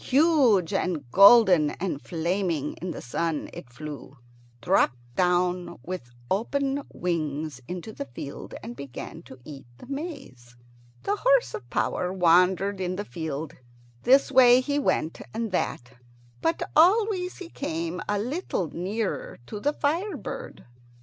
Huge and golden and flaming in the sun, it flew, dropped down with open wings into the field, and began to eat the maize. The horse of power wandered in the field. This way he went, and that, but always he came a little nearer to the fire bird.